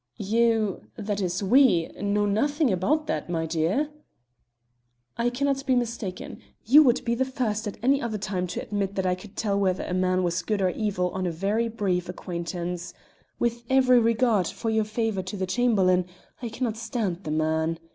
"You that is we know nothing about that, my dear," said Argyll. "I cannot be mistaken; you would be the first at any other time to admit that I could tell whether a man was good or evil on a very brief acquaintance. With every regard for your favour to the Chamberlain, I cannot stand the man.